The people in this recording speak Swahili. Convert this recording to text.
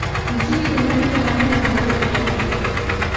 nchini tanzania hakuna ubaguzi wa rangi